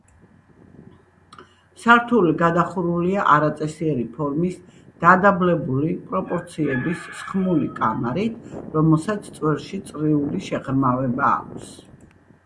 სართული გადახურულია არაწესიერი ფორმის, დადაბლებული პროპორციების, სხმული კამარით, რომელსაც წვერში წრიული შეღრმავება აქვს.